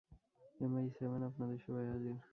MI-seven আপনাদের সেবায় হাজির।